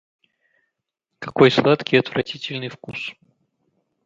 Какой сладкий отвратительный вкус!